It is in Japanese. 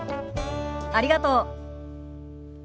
ありがとう。